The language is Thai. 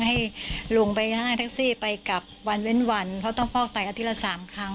ให้ลุงบาล่าถอดสามารถไปกลับวันเว้นเพราะต้องฝอกไปหน้า